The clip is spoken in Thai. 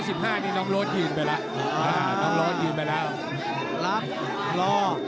สิบห้านี่น้องโรดยืนไปแล้วอ่าน้องโรดยืนไปแล้วรับรอ